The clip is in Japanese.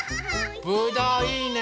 ぶどういいね！